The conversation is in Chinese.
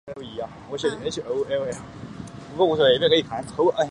耳叶越桔为杜鹃花科越桔属下的一个种。